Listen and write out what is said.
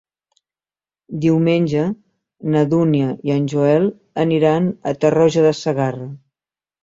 Diumenge na Dúnia i en Joel aniran a Tarroja de Segarra.